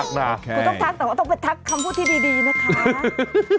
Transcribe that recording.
คุณต้องทักแต่ว่าต้องไปทักคำพูดที่ดีนะคะ